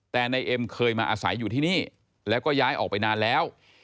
แต่นายเอ็มเคยมาอาศัยอยู่ที่นี่แล้วก็ย้ายออกไปนานแล้ว